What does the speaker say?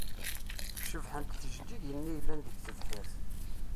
Cebḥent tjeǧǧigin-nni i yellan deg tebḥirt.